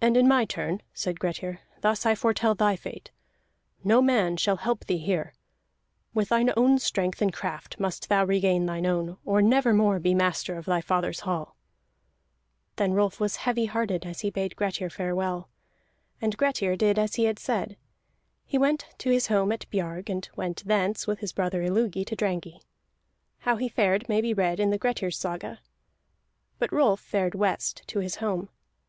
"And in my turn," said Grettir, "thus I foretell thy fate. No man shall help thee here. With thine own strength and craft must thou regain thine own, or never more be master of thy fathers hall!" Then Rolf was heavy hearted as he bade Grettir farewell. And Grettir did as he had said: he went to his home at Biarg, and went thence with his brother Illugi to Drangey. How he fared there may be read in the Grettir's Saga. But Rolf fared west to his home.